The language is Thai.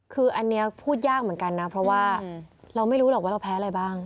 คืออันนี้พูดยากเหมือนกันนะเพราะว่าเราไม่รู้หรอกว่าเราแพ้อะไรบ้าง